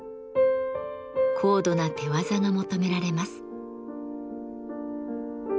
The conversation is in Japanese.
高度な手業が求められます。